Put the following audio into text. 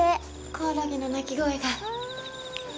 コオロギの鳴き声が。